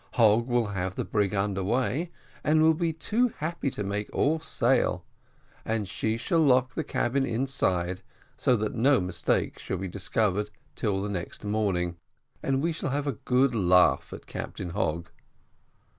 Hogg will have the brig under way, and will be too happy to make all sail, and she shall lock the cabin inside, so that the mistake shall not be discovered till the next morning, and we shall have a good laugh at Captain Hogg."